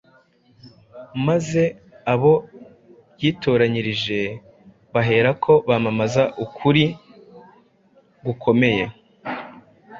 maze abo yitoranyirije baherako bamamaza ukuri gukomeye